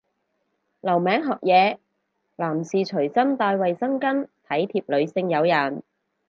留名學嘢，男士隨身帶衛生巾體貼女性友人